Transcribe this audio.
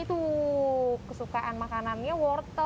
tuh kesukaan makanannya worth it